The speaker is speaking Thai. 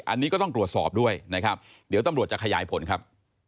อันนี้ก็ต้องตรวจสอบด้วยนะครับเดี๋ยวตำรวจจะขยายผลครับ